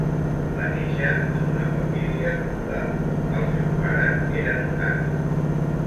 Va néixer en una família acomodada, el seu pare era notari.